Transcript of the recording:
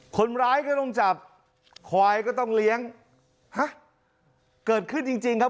คนร้ายก็ต้องจับควายก็ต้องเลี้ยงฮะเกิดขึ้นจริงจริงครับ